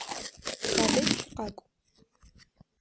Садэжь шъукъакӏу!